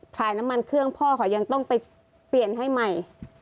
ขายน้ำมันเครื่องพ่อเขายังต้องไปเปลี่ยนให้ใหม่